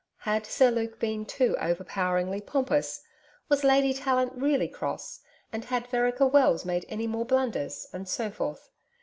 Had Sir Luke been too over poweringly pompous? Was Lady Tallant really cross? and had Vereker Wells made any more blunders? and so forth.